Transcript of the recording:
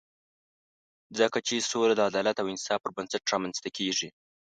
ځکه چې سوله د عدالت او انصاف پر بنسټ رامنځته کېږي.